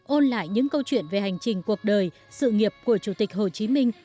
ôn lại những câu chuyện về hành trình cuộc đời sự nghiệp của chủ tịch hồ chí minh